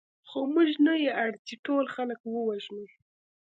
خو موږ نه یو اړ چې ټول خلک ووژنو